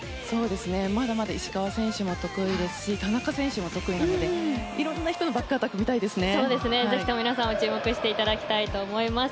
まだまだ石川選手も得意ですし田中選手も得意なのでいろんな人のバックアタックがぜひとも皆さんも注目していただきたいと思います。